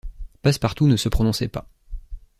Passepartout ne se prononçait pas.